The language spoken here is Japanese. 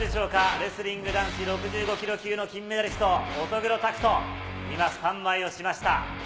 レスリング男子６５キロ級の金メダリスト、乙黒拓斗、今、スタンバイをしました。